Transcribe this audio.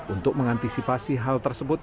untuk mengantisipasi hal tersebut